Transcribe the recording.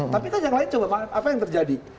tapi kan yang lain coba apa yang terjadi